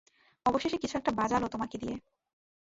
অবশেষে কিছু একটা বাজলো তোমাকে দিয়ে।